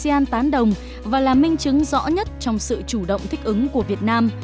nước thành viên asean tán đồng và là minh chứng rõ nhất trong sự chủ động thích ứng của việt nam